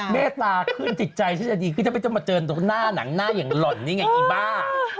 เมตตาขึ้นจิตใจช่วยจะดีคือจะไม่มาเจอหนังหน้าอย่างหล่อนนี่ไงอีบ้า